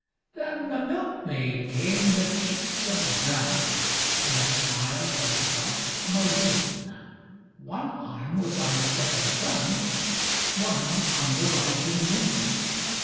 Then a milkmaid came with cheeks of dun And a smile of dark maroon, One arm was on the setting sun, One on the rising moon.